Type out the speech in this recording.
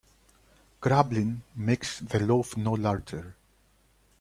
Grumbling makes the loaf no larger.